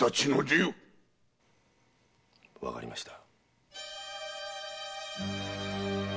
わかりました。